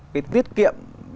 cái tiết kiệm